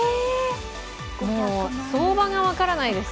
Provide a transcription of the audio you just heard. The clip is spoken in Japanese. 相場が分からないです